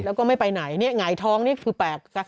แล้วก็ไม่ไปไหนไหง่ท้องนี่คือแปลก